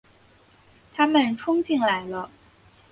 他们冲进来了